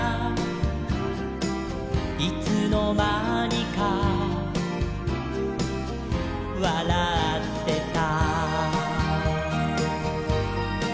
「いつのまにかわらってた」